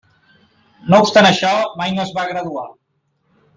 No obstant això, mai no es va graduar.